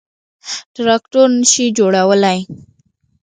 تراکتور نه شي جوړولای.